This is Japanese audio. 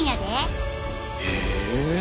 へえ！